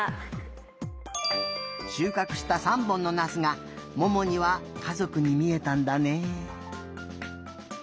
しゅうかくした３本のナスがももにはかぞくにみえたんだね。